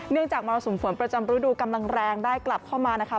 จากมรสุมฝนประจำฤดูกำลังแรงได้กลับเข้ามานะคะ